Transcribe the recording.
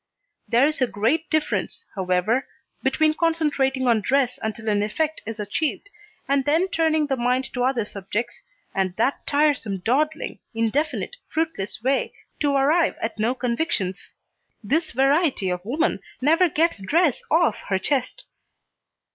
There is a great difference, however, between concentrating on dress until an effect is achieved, and then turning the mind to other subjects, and that tiresome dawdling, indefinite, fruitless way, to arrive at no convictions. This variety of woman never gets dress off her chest.